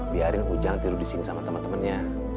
biarin ujang tiru di sini sama teman temannya